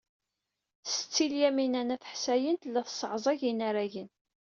Setti Lyamina n At Ḥsayen tella tesseɛẓag inaragen.